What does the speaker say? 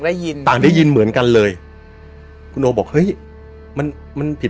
ได้ยินต่างได้ยินเหมือนกันเลยคุณโอบอกเฮ้ยมันมันผิด